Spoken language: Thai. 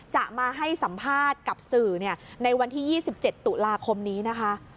จะมาให้สัมภาษณ์กับสื่อในวันที่๒๗ตุลาคมนี้นะคะ